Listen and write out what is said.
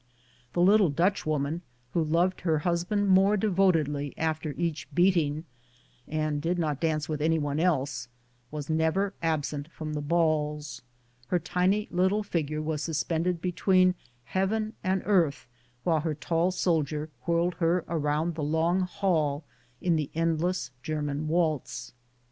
The little Dutch woman, who loved her husband more devotedly after each beating, and did not dance with any one else, was never absent from the balls. Her tiny little figure was suspended between heaven and earth while her tall soldier whirled her around the long hall in the endless German waltz.